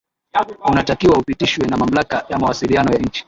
unatakiwa upitishwe na mamlaka ya mawasiliano ya nchi